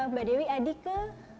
mbak dewi adik ke